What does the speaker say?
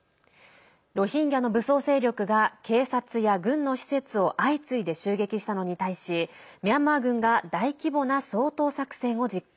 ロヒンギャの武装勢力が警察や軍の施設を相次いで襲撃したのに対しミャンマー軍が大規模な掃討作戦を実行。